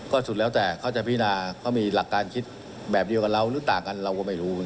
สุดแล้วแต่เขาจะพินาเขามีหลักการคิดแบบเดียวกับเราหรือต่างกันเราก็ไม่รู้